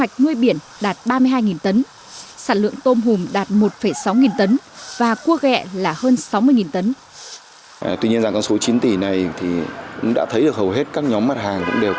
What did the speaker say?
cá biển đạt diện tích nuôi sáu hectare